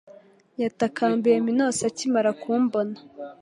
yatakambiye Minos akimara kumbona